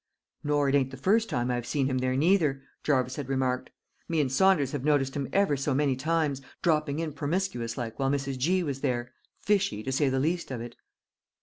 "Nor it ain't the first time I've seen him there neither," Jarvis had remarked; "me and Saunders have noticed him ever so many times, dropping in promiscuous like while Mrs. G. was there, Fishy, to say the least of it!"